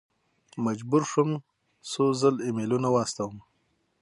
مجبور شوم څو ځل ایمیلونه واستوم.